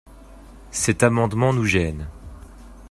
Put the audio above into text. Cet amendement nous gêne.